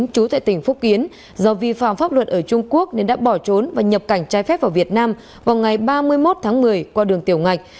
trú tại tỉnh phúc kiến do vi phạm pháp luật ở trung quốc nên đã bỏ trốn và nhập cảnh trái phép vào việt nam vào ngày ba mươi một tháng một mươi qua đường tiểu ngạch